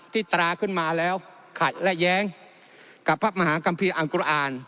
ตราขึ้นมาแล้วขัดและแย้งกับพระมหากัมภีร์อังกุอ่าน